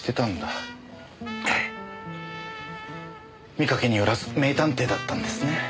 見かけによらず名探偵だったんですね。